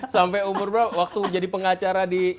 sampai umur berapa waktu jadi pengacara di